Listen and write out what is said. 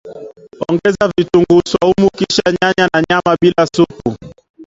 Ongeza vitunguu swaumu kisha nyanya na nyama bila supu